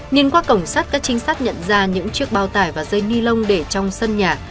nhìn qua cổng sát các chính sát nhận ra những chiếc bao tải và dây nilon để trong sân nhà